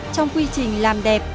trong quy trình làm đẹp